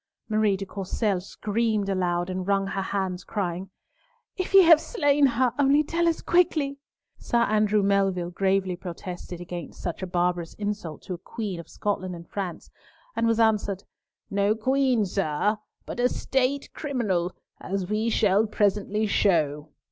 Marie de Courcelles screamed aloud and wrung her hands, crying, "If ye have slain her, only tell us quickly!" Sir Andrew Melville gravely protested against such a barbarous insult to a Queen of Scotland and France, and was answered, "No queen, sir, but a State criminal, as we shall presently show."